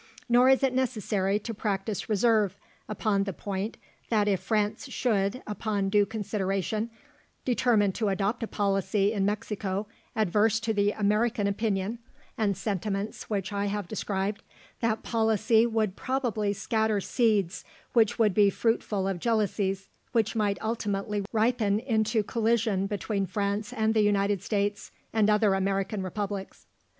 Nor is it necessary to practise reserve upon the point that if France should, upon due consideration, determine to adopt a policy in Mexico adverse to the American opinion and sentiments which I have described, that policy would probably scatter seeds which would be fruitful of jealousies which might ultimately ripen into collision between France and the United States and other American republics."